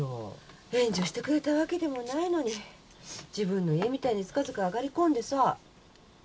援助してくれたわけでもないのに自分の家みたいにずかずか上がりこんでさ。